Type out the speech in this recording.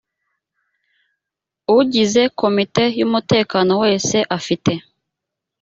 ugize komite y umutekano wese afite